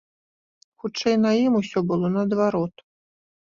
Хутчэй, на ім усё было наадварот.